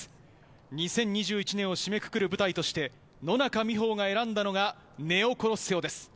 ２０２１年を締めくくる舞台として、野中生萌が選んだのがネオコロッセオです。